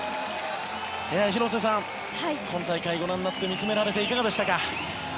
広瀬さん、今大会をご覧になって見つめられていかがでしたか？